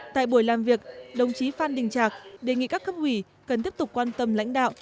tại buổi làm việc đồng chí phan đình trạc đề nghị các cấp ủy cần tiếp tục quan tâm lãnh đạo